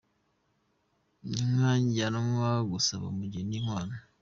Inka ijyanwa gusaba umugeni : Inkwano.